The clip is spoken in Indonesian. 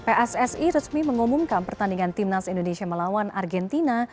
pssi resmi mengumumkan pertandingan timnas indonesia melawan argentina